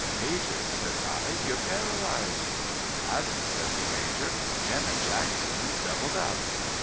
' Major' I says ' you're paralysed.' ' Madam ' says the Major, ' Jemmy Jackman is doubled up.'